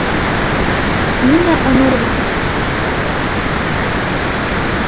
Нина Онор велыш иктаж пел меҥгым веле куржын.